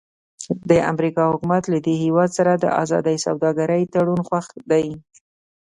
د امریکا حکومت له دې هېواد سره د ازادې سوداګرۍ تړون خوښ دی.